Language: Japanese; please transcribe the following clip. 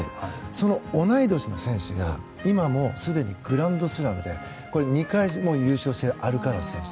その同い年の選手はすでにグランドスラムで２回も優勝してアルカラス選手